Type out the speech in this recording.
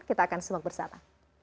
kita akan semak bersama